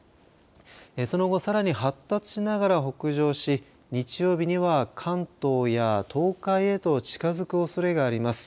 その後、更に発達しながら北上し日曜日には関東や東海へと近づくおそれがあります。